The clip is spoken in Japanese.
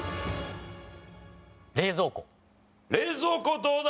冷蔵庫どうだ？